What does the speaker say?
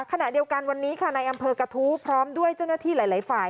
ขณะเดียวกันวันนี้ค่ะในอำเภอกระทู้พร้อมด้วยเจ้าหน้าที่หลายฝ่าย